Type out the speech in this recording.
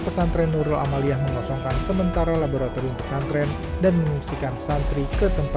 pesantren nurul amaliyah mengosongkan sementara laboratorium pesantren dan mengungsikan santri ke tempat